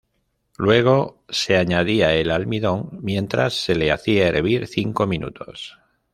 Luego, se añadía el almidón mientras se le hacía hervir cinco minutos.